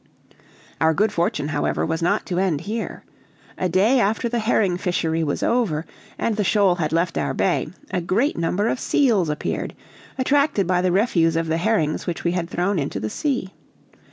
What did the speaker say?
Our good fortune, however, was not to end here. A day after the herring fishery was over, and the shoal had left our bay, a great number of seals appeared, attracted by the refuse of the herrings which we had thrown into the sea.